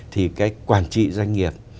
thì cái quản trị doanh nghiệp